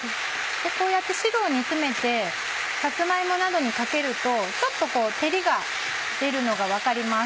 こうやって汁を煮詰めてさつま芋などにかけるとちょっとこう照りが出るのが分かります。